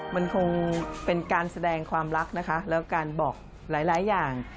มันคงเป็นการแสดงความรักนะคะแล้วการบอกหลายอย่าง